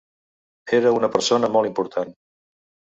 Era una persona molt important.